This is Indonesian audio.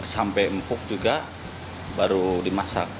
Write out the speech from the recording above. sampai empuk juga baru dimasak